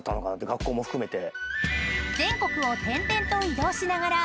学校も含めて。